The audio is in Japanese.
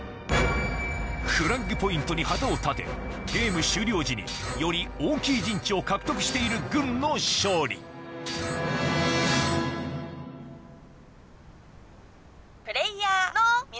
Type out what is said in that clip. フラッグポイントに旗を立てゲーム終了時により大きい陣地を獲得している軍の勝利プレイヤーの皆さん